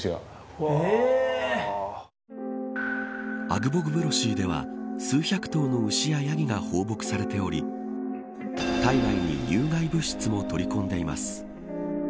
アグボグブロシーでは数百頭の牛やヤギが放牧されており体内に有害物質も取り込んでいます。